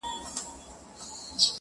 وهر يو رگ ته يې د ميني کليمه وښايه~